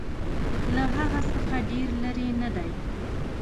له هغه څخه ډېر لیري نه دی.